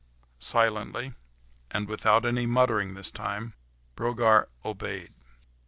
Silently, and without any muttering this time, Brogard obeyed.